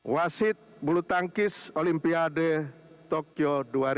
wasit bulutangkis olimpiade tokyo dua ribu dua puluh